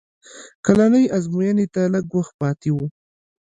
کلنۍ ازموینې ته لږ وخت پاتې و